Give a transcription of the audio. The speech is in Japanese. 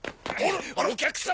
お客様